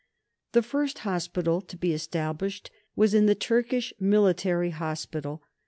The first hospital to be established was in the Turkish Military Hospital.